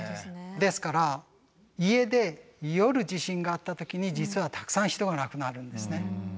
ですから家で夜地震があった時に実はたくさん人が亡くなるんですね。